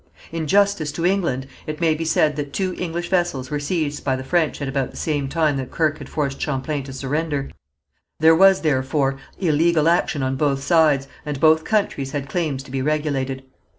In justice to England it may be said that two English vessels were seized by the French at about the same time that Kirke had forced Champlain to surrender. There was, therefore, illegal action on both sides, and both countries had claims to be regulated.